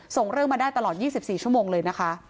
ส่งเรื่องมาได้ตลอด๒๔ชั่วโมงเลยนะคะ